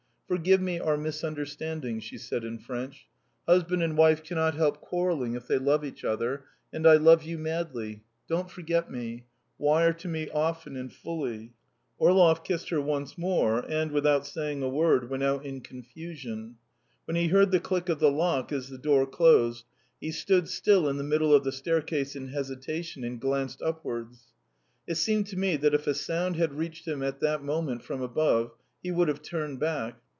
"Forgive me our misunderstandings," she said in French. "Husband and wife cannot help quarrelling if they love each other, and I love you madly. Don't forget me. ... Wire to me often and fully." Orlov kissed her once more, and, without saying a word, went out in confusion. When he heard the click of the lock as the door closed, he stood still in the middle of the staircase in hesitation and glanced upwards. It seemed to me that if a sound had reached him at that moment from above, he would have turned back.